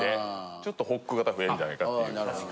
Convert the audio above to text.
ちょっとホック型増えるんじゃないかっていう。